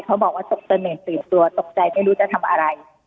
เขาบอกว่าตะเฉินตืดตัวตกใจไม่รู้จะทำอะไร